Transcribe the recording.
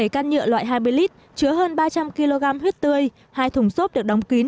bảy can nhựa loại hai mươi lít chứa hơn ba trăm linh kg huyết tươi hai thùng xốp được đóng kín